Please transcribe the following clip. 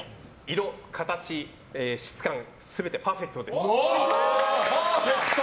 色、形、質感全てパーフェクトです！